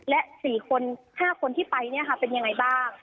และ๔คน๕คนที่ไปเนี่ยค่ะเป็นยังไงบ้าง